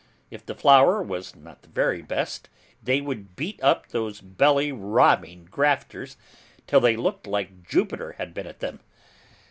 If the flour was not the very best, they would beat up those belly robbing grafters till they looked like Jupiter had been at them.